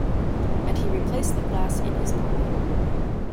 And he replaced the glass in his pocket.